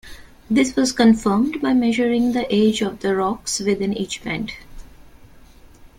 This was confirmed by measuring the ages of the rocks within each band.